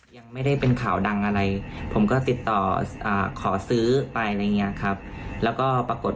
ยังไม่ได้เป็นข่าวดังอะไรผมก็ติดต่อขอซื้อไปอะไรอย่างนี้ครับ